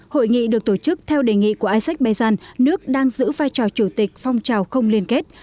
hội nghị được tổ chức theo đề nghị của isak bejan nước đang giữ vai trò chủ tịch phong trào không liên kết